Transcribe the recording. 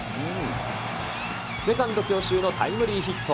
セカンド強襲のタイムリーヒット。